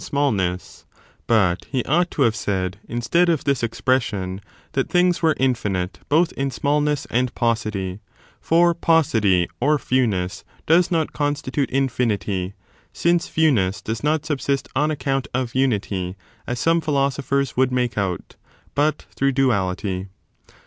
269 smallness; but he ought to have said, instead of this expres sion, that things were infinite both in smallness and paucity , for paucity or fewness does not constitute infinity, since few ness does not subsist on account of unity, as some philosophers would make out, but through duality.